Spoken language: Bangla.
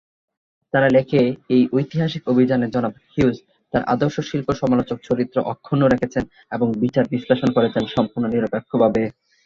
তারা লেখে, "এই ঐতিহাসিক অভিযানে জনাব হিউজ তার আদর্শ শিল্প-সমালোচক চরিত্র অক্ষুণ্ন রেখেছেন এবং বিচার-বিশ্লেষণ করেছেন সম্পূর্ণ নিরপেক্ষভাবে"।